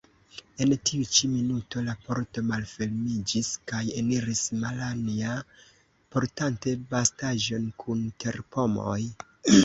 En tiu ĉi minuto la pordo malfermiĝis kaj eniris Malanja, portante bastaĵon kun terpomoj.